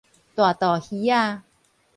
大肚魚仔